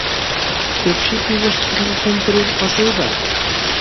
Que obxectivos ten que cumprir, ao seu ver?